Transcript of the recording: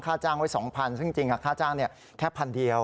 จ้างไว้๒๐๐ซึ่งจริงค่าจ้างแค่พันเดียว